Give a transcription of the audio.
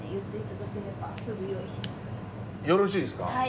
よろしいですか？